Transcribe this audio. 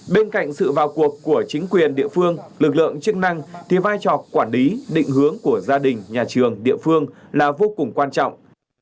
bên cạnh sự vào cuộc của chính quyền địa phương lực lượng chức năng thì vai trò quản lý định hướng của gia đình nhà trường địa phương là vô cùng quan trọng